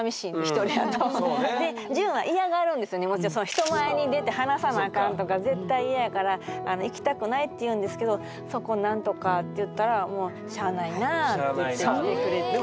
人前に出て話さなあかんとか絶対イヤやから行きたくないって言うんですけど「そこをなんとか」って言ったら「もうしゃあないなぁ」って言って来てくれる。